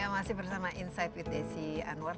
masih bersama insight with desi anwar